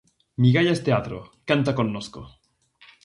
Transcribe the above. Migallas teatro, "Canta connosco".